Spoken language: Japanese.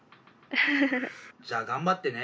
じゃあ頑張ってね。